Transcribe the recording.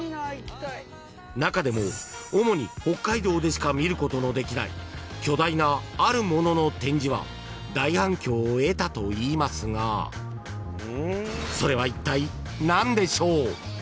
［中でも主に北海道でしか見ることのできない巨大なあるものの展示は大反響を得たといいますがそれはいったい何でしょう？］